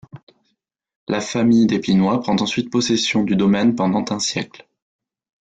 La famille d’Epinoy prend ensuite possession du domaine pendant un siècle.